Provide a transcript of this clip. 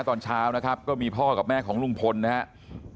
ตอนเช้านะครับก็มีพ่อกับแม่ของลุงพลนะครับ